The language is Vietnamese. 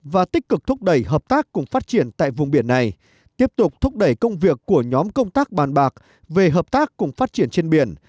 và tích cực thúc đẩy hợp tác cùng phát triển tại vùng biển này tiếp tục thúc đẩy công việc của nhóm công tác bàn bạc về hợp tác cùng phát triển trên biển